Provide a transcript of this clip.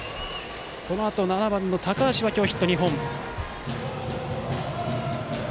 そのあとの７番の高橋は今日ヒット２本。